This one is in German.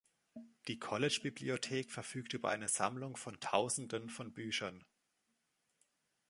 Die College Bibliothek verfügt über eine Sammlung von Tausenden von Büchern.